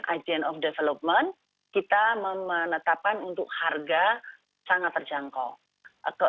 agent of development kita menetapkan untuk harga sangat terjangkau